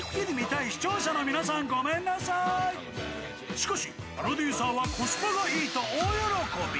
しかし、プロデューサーはコスパがいいと大喜び。